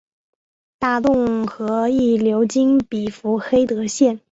大洞河亦流经比弗黑德县。